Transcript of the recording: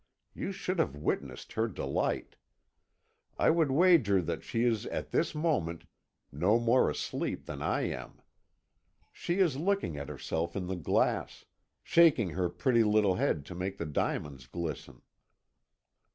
You should have witnessed her delight! I would wager that she is at this moment no more asleep than I am. She is looking at herself in the glass, shaking her pretty little head to make the diamonds glisten."